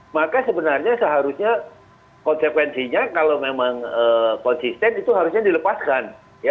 maka sebenarnya seharusnya konsekuensinya kalau memang konsisten itu harusnya dilepaskan